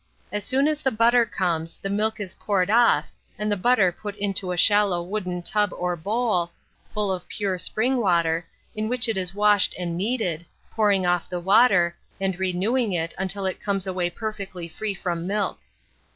As soon as the butter comes, the milk is poured off, and the butter put into a shallow wooden tub or bowl, full of pure spring water, in which it is washed and kneaded, pouring off the water, and renewing it until it comes away perfectly free from milk.